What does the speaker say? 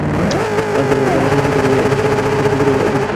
তারা তাকে মিথ্যা প্রতিপন্ন করে এবং তারা তাদের কুফরী ও অবাধ্যতায় নিমগ্ন থাকে।